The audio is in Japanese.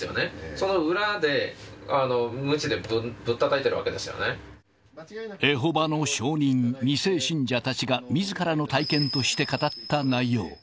その裏で、むちでぶったたいてるエホバの証人２世信者たちが、みずからの体験として語った内容。